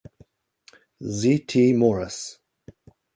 Z. T. Morris.